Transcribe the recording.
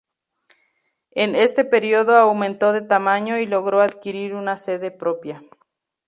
En este periodo aumentó de tamaño y logró adquirir una sede propia.